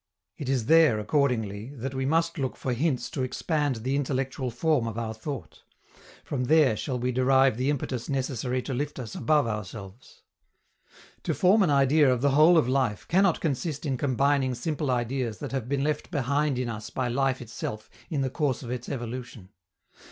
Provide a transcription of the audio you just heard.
It is there, accordingly, that we must look for hints to expand the intellectual form of our thought; from there shall we derive the impetus necessary to lift us above ourselves. To form an idea of the whole of life cannot consist in combining simple ideas that have been left behind in us by life itself in the course of its evolution.